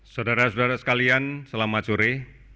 saudara saudara sekalian selamat sore